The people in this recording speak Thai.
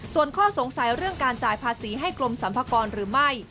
ส่วนข้อสงสัยเรื่องการจ่ายภาษีให้กรมสรรพากรหรือไม่